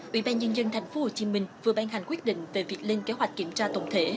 ủy ban nhân dân tp hcm vừa ban hành quyết định về việc lên kế hoạch kiểm tra tổng thể